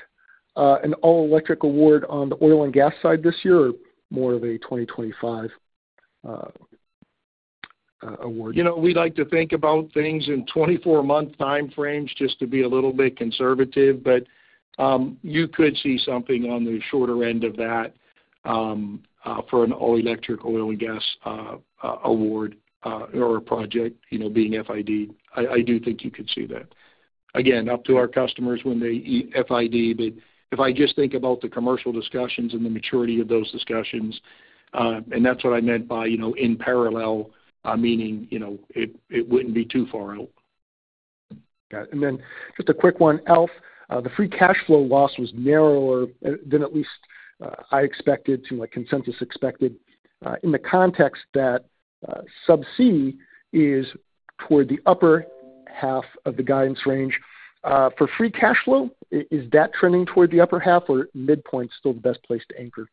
an all-electric award on the oil and gas side this year or more of a 2025 award? You know, we like to think about things in 24-month time frames just to be a little bit conservative, but you could see something on the shorter end of that for an all-electric oil and gas award or a project, you know, being FID. I do think you could see that. Again, up to our customers when they FID, but if I just think about the commercial discussions and the maturity of those discussions, and that's what I meant by, you know, in parallel, meaning, you know, it, it wouldn't be too far out. Got it. And then just a quick one, Alf. The free cash flow loss was narrower than at least I expected to my consensus expected, in the context that Subsea is toward the upper half of the guidance range. For free cash flow, is that trending toward the upper half or midpoints still the best place to anchor?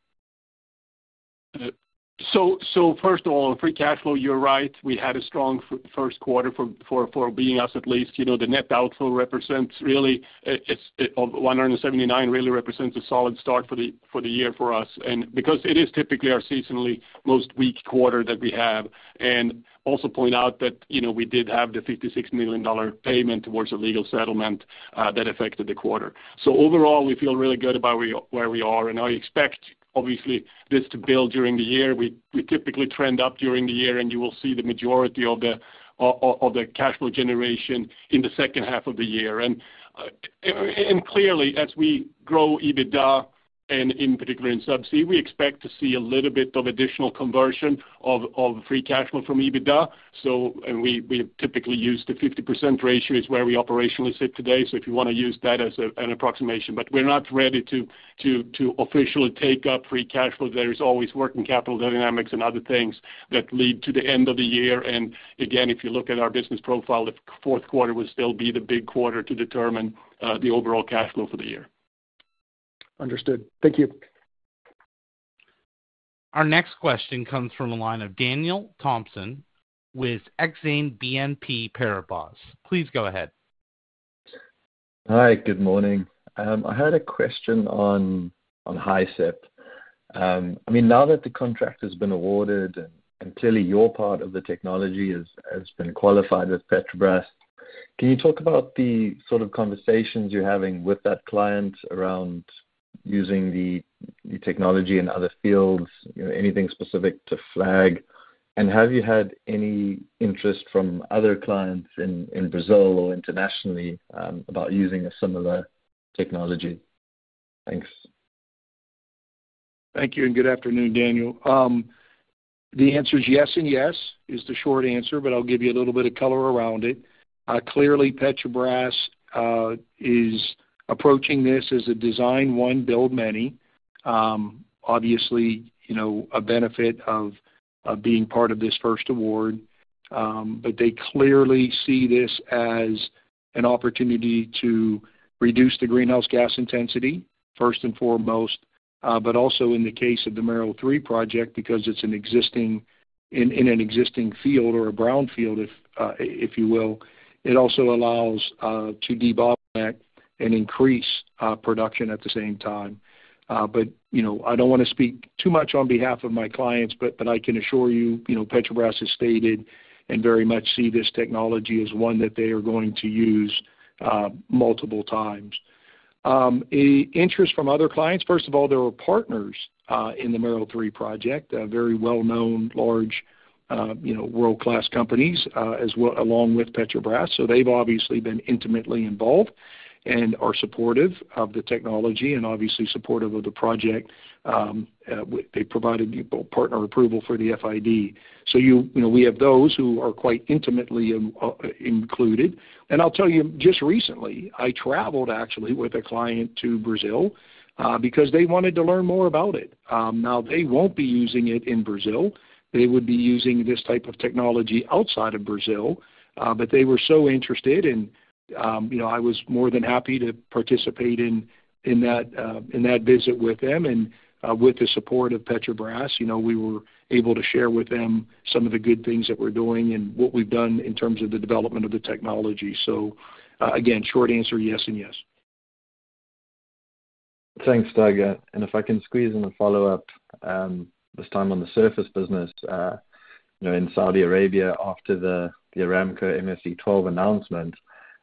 So, first of all, free cash flow, you're right, we had a strong first quarter for being us at least. You know, the net outflow represents really, it's of $179 million, really represents a solid start for the year for us. And because it is typically our seasonally most weak quarter that we have, and also point out that, you know, we did have the $56 million payment towards a legal settlement that affected the quarter. So overall, we feel really good about where we are, and I expect, obviously, this to build during the year. We typically trend up during the year, and you will see the majority of the cash flow generation in the second half of the year. And clearly, as we grow EBITDA. In particular, in Subsea, we expect to see a little bit of additional conversion of free cash flow from EBITDA. So, we typically use the 50% ratio is where we operationally sit today. So if you want to use that as an approximation, but we're not ready to officially take up free cash flow. There is always working capital dynamics and other things that lead to the end of the year. Again, if you look at our business profile, the fourth quarter would still be the big quarter to determine the overall cash flow for the year. Understood. Thank you. Our next question comes from the line of Daniel Thomson with Exane BNP Paribas. Please go ahead. Hi, good morning. I had a question on HISEP. I mean, now that the contract has been awarded, and clearly, your part of the technology has been qualified with Petrobras, can you talk about the sort of conversations you're having with that client around using the technology in other fields? You know, anything specific to flag? And have you had any interest from other clients in Brazil or internationally about using a similar technology? Thanks. Thank you, and good afternoon, Daniel. The answer is yes and yes, is the short answer, but I'll give you a little bit of color around it. Clearly, Petrobras is approaching this as a design one, build many. Obviously, you know, a benefit of being part of this first award. But they clearly see this as an opportunity to reduce the greenhouse gas intensity, first and foremost, but also in the case of the Mero 3 project, because it's existing in an existing field or a brownfield, if you will. It also allows to de-bottleneck and increase production at the same time. But, you know, I don't wanna speak too much on behalf of my clients, but I can assure you, you know, Petrobras has stated and very much see this technology as one that they are going to use multiple times. An interest from other clients, first of all, there are partners in the Mero 3 project, a very well-known, large, you know, world-class companies as well, along with Petrobras. So they've obviously been intimately involved and are supportive of the technology and obviously supportive of the project. They provided the partner approval for the FID. So you know, we have those who are quite intimately included. And I'll tell you, just recently, I traveled actually with a client to Brazil because they wanted to learn more about it. Now they won't be using it in Brazil. They would be using this type of technology outside of Brazil, but they were so interested, and, you know, I was more than happy to participate in that visit with them. And, with the support of Petrobras, you know, we were able to share with them some of the good things that we're doing and what we've done in terms of the development of the technology. So, again, short answer, yes and yes. Thanks, Doug. And if I can squeeze in a follow-up, this time on the surface business, you know, in Saudi Arabia after the Aramco MSC 12 announcement.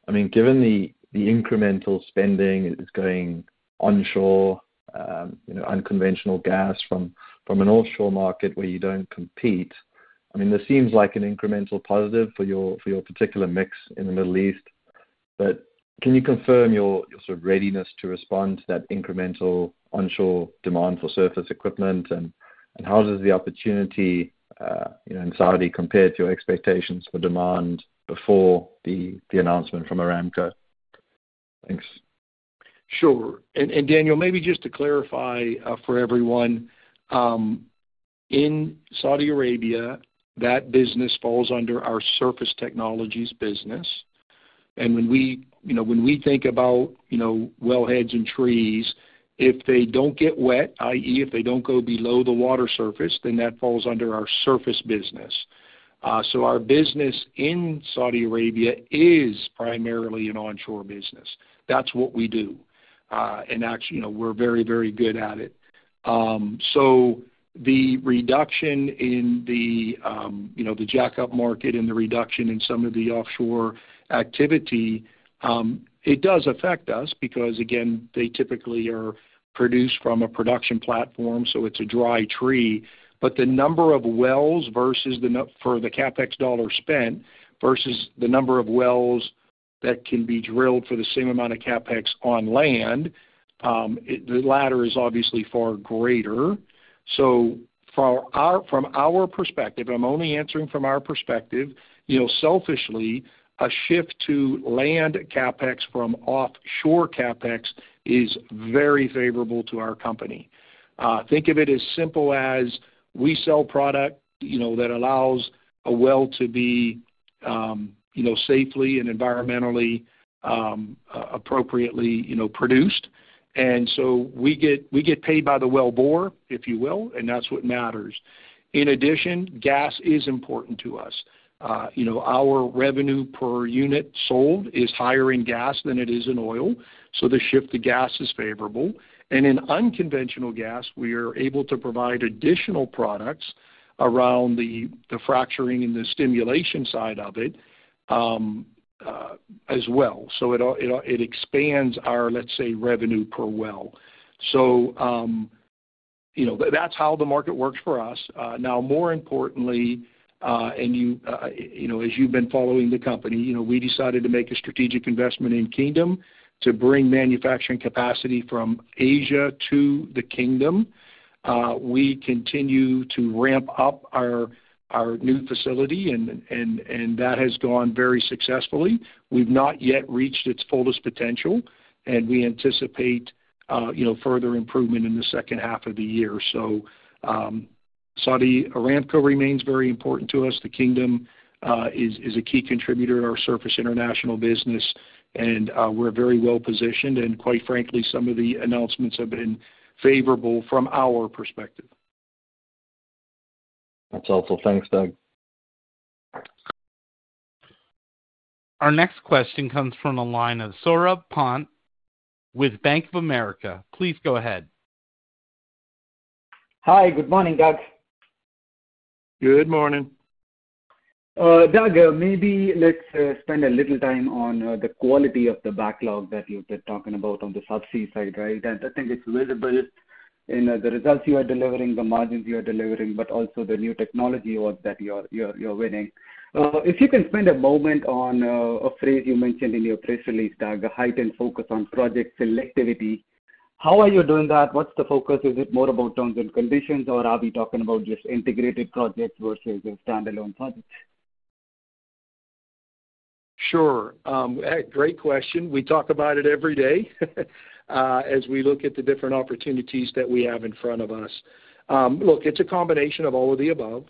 I mean, given the incremental spending is going onshore, you know, unconventional gas from an offshore market where you don't compete, I mean, this seems like an incremental positive for your particular mix in the Middle East. But can you confirm your sort of readiness to respond to that incremental onshore demand for surface equipment? And how does the opportunity, you know, in Saudi, compare to your expectations for demand before the announcement from Aramco? Thanks. Sure. And Daniel, maybe just to clarify, for everyone, in Saudi Arabia, that business falls under our Surface Technologies business. And when we, you know, when we think about, you know, wellheads and trees, if they don't get wet, i.e., if they don't go below the water surface, then that falls under our surface business. So our business in Saudi Arabia is primarily an onshore business. That's what we do. And actually, you know, we're very, very good at it. So the reduction in the, you know, the jackup market and the reduction in some of the offshore activity, it does affect us because, again, they typically are produced from a production platform, so it's a dry tree. But the number of wells versus the number for the CapEx dollar spent, versus the number of wells that can be drilled for the same amount of CapEx on land, the latter is obviously far greater. So from our, from our perspective, I'm only answering from our perspective, you know, selfishly, a shift to land CapEx from offshore CapEx is very favorable to our company. Think of it as simple as we sell product, you know, that allows a well to be, you know, safely and environmentally, appropriately, you know, produced. And so we get, we get paid by the wellbore, if you will, and that's what matters. In addition, gas is important to us. You know, our revenue per unit sold is higher in gas than it is in oil, so the shift to gas is favorable. In unconventional gas, we are able to provide additional products around the fracturing and the stimulation side of it, as well. So it expands our, let's say, revenue per well. You know, that's how the market works for us. Now, more importantly, and you know, as you've been following the company, you know, we decided to make a strategic investment in the Kingdom to bring manufacturing capacity from Asia to the Kingdom. We continue to ramp up our new facility, and that has gone very successfully. We've not yet reached its fullest potential, and we anticipate, you know, further improvement in the second half of the year. So, Saudi Aramco remains very important to us. The Kingdom is a key contributor in our Surface International business, and we're very well positioned, and quite frankly, some of the announcements have been favorable from our perspective. That's helpful. Thanks, Doug. Our next question comes from the line of Saurabh Pant with Bank of America. Please go ahead. Hi, good morning, Doug. Good morning. Doug, maybe let's spend a little time on the quality of the backlog that you've been talking about on the Subsea side, right? I think it's visible in the results you are delivering, the margins you are delivering, but also the new technology awards that you're winning. If you can spend a moment on a phrase you mentioned in your press release, Doug, the heightened focus on project selectivity. How are you doing that? What's the focus? Is it more about terms and conditions, or are we talking about just integrated projects versus the standalone projects? Sure. Great question. We talk about it every day, as we look at the different opportunities that we have in front of us. Look, it's a combination of all of the above.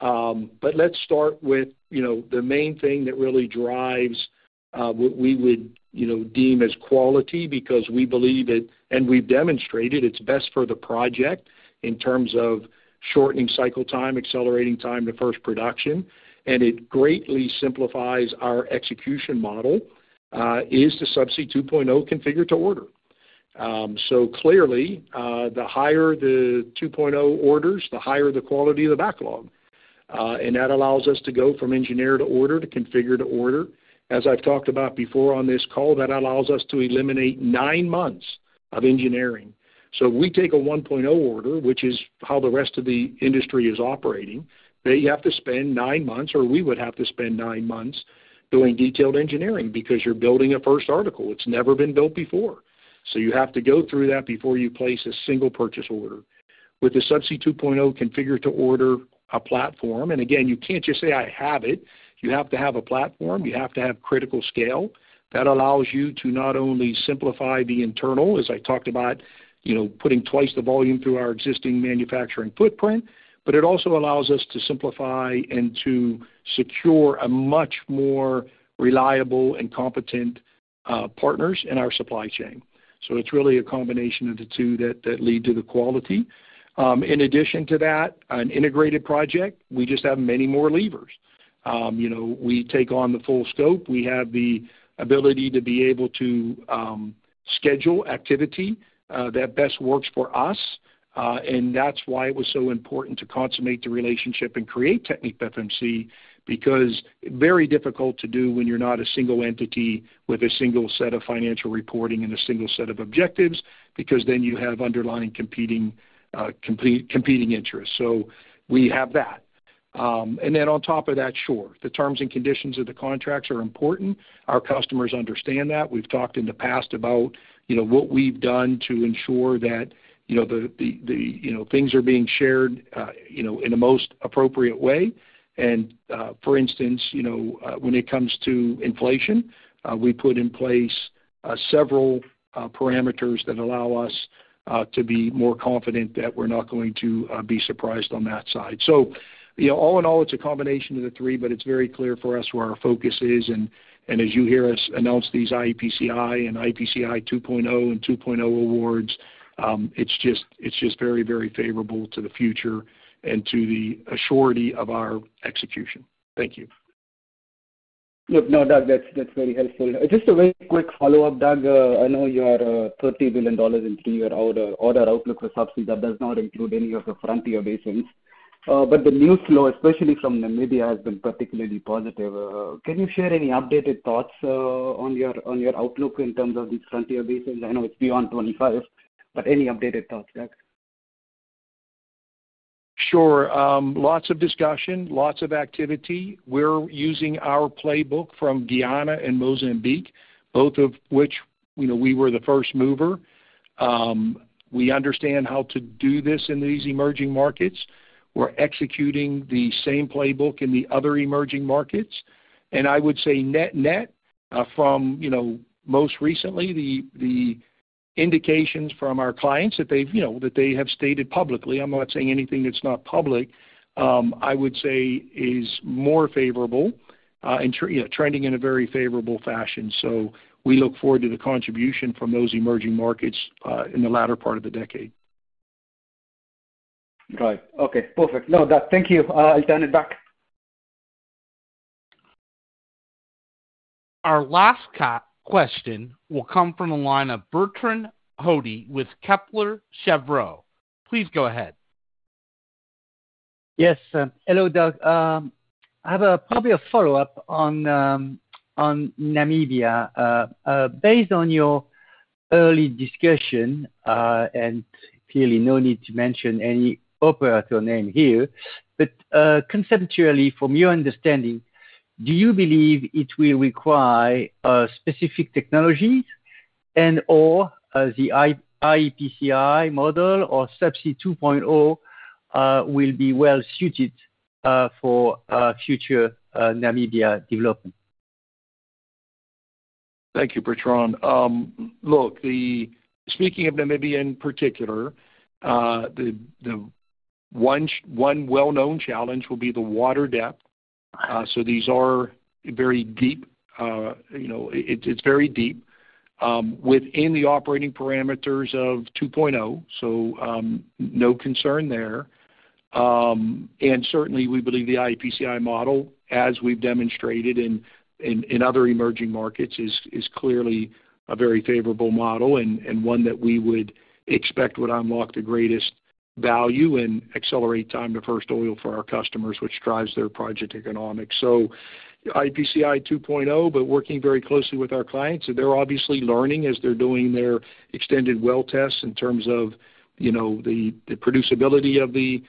But let's start with, you know, the main thing that really drives, what we would, you know, deem as quality, because we believe it, and we've demonstrated it's best for the project in terms of shortening cycle time, accelerating time to first production, and it greatly simplifies our execution model, is the Subsea 2.0 configure to order. So clearly, the higher the 2.0 orders, the higher the quality of the backlog. And that allows us to go from engineer to order to configure to order. As I've talked about before on this call, that allows us to eliminate nine months of engineering. So if we take a 1.0 order, which is how the rest of the industry is operating, they have to spend 9 months, or we would have to spend 9 months doing detailed engineering because you're building a first article. It's never been built before. So you have to go through that before you place a single purchase order. With the Subsea 2.0 configure to order platform, and again, you can't just say, I have it. You have to have a platform. You have to have critical scale. That allows you to not only simplify the internal, as I talked about, you know, putting twice the volume through our existing manufacturing footprint, but it also allows us to simplify and to secure a much more reliable and competent partners in our supply chain. So it's really a combination of the two that lead to the quality. In addition to that, an integrated project, we just have many more levers. You know, we take on the full scope. We have the ability to be able to schedule activity that best works for us. And that's why it was so important to consummate the relationship and create TechnipFMC, because very difficult to do when you're not a single entity with a single set of financial reporting and a single set of objectives, because then you have underlying competing, competing interests. So we have that. And then on top of that, sure, the terms and conditions of the contracts are important. Our customers understand that. We've talked in the past about, you know, what we've done to ensure that, you know, the things are being shared, you know, in the most appropriate way. And, for instance, you know, when it comes to inflation, we put in place several parameters that allow us to be more confident that we're not going to be surprised on that side. So, you know, all in all, it's a combination of the three, but it's very clear for us where our focus is. And as you hear us announce these iEPCI and iEPCI 2.0 and 2.0 awards, it's just, it's just very, very favorable to the future and to the surety of our execution. Thank you. Look, no, Doug, that's very helpful. Just a very quick follow-up, Doug. I know you are $30 billion in three-year order outlook for Subsea. That does not include any of the frontier basins. But the news flow, especially from Namibia, has been particularly positive. Can you share any updated thoughts on your outlook in terms of these frontier basins? I know it's beyond 25, but any updated thoughts, Doug? Sure. Lots of discussion, lots of activity. We're using our playbook from Guyana and Mozambique, both of which, you know, we were the first mover. We understand how to do this in these emerging markets. We're executing the same playbook in the other emerging markets. And I would say net-net, from, you know, most recently, the indications from our clients that they've, you know, that they have stated publicly, I'm not saying anything that's not public, I would say is more favorable, and, you know, trending in a very favorable fashion. So we look forward to the contribution from those emerging markets, in the latter part of the decade. Right. Okay, perfect. No, Doug, thank you. I'll turn it back. Our last question will come from the line of Bertrand Hodee with Kepler Cheuvreux. Please go ahead. Yes. Hello, Doug. I have probably a follow-up on Namibia. Based on your earlier discussion, and clearly no need to mention any operator name here, but conceptually, from your understanding, do you believe it will require specific technologies and/or the iEPCI model or Subsea 2.0 will be well suited for future Namibia development? Thank you, Bertrand. Look, speaking of Namibia in particular, the one well-known challenge will be the water depth. So these are very deep, you know, it, it's very deep, within the operating parameters of 2.0, so no concern there. And certainly we believe the iEPCI model, as we've demonstrated in other emerging markets, is clearly a very favorable model and one that we would expect would unlock the greatest value and accelerate time to first oil for our customers, which drives their project economics. So iEPCI 2.0, but working very closely with our clients. So they're obviously learning as they're doing their extended well tests in terms of, you know, the producibility of the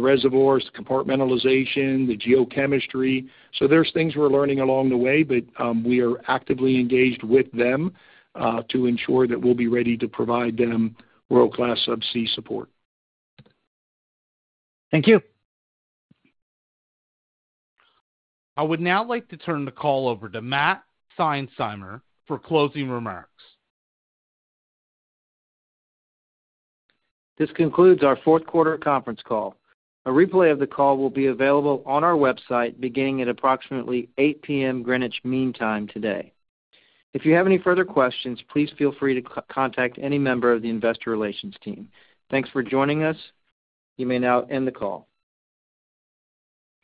reservoirs, compartmentalization, the geochemistry. So there's things we're learning along the way, but we are actively engaged with them to ensure that we'll be ready to provide them world-class subsea support. Thank you. I would now like to turn the call over to Matt Seinsheimer for closing remarks. This concludes our fourth quarter conference call. A replay of the call will be available on our website beginning at approximately 8 P.M. Greenwich Mean Time today. If you have any further questions, please feel free to contact any member of the investor relations team. Thanks for joining us. You may now end the call.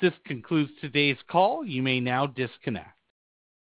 This concludes today's call. You may now disconnect.